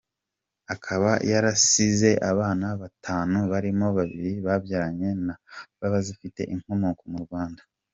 Akaba yarasize abana batanu barimo babiri yabyaranye na Mbabazi ufite inkomoko mu Rwanda .